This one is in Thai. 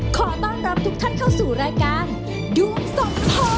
ขอต้อนรับทุกท่านเข้าสู่รายการดวงสองพ่อ